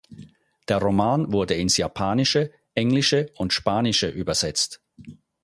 Der Roman wurde ins Japanische, Englische und Spanische übersetzt.